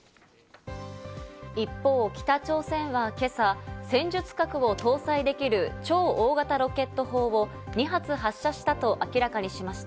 一方、北朝鮮は今朝、戦術核を搭載できる超大型ロケット砲を２発発射したと明らかにしました。